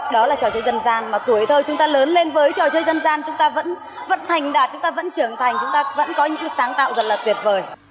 đó là trò chơi dân gian mà tuổi thơ chúng ta lớn lên với trò chơi dân gian chúng ta vẫn thành đạt chúng ta vẫn trưởng thành chúng ta vẫn có những sáng tạo rất là tuyệt vời